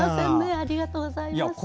ありがとうございます。